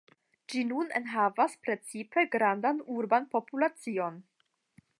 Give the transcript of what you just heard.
Ĝi nun enhavas precipe grandan urban populacion.